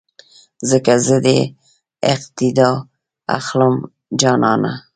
ځکه زه دې اقتیدا اخلم جانانه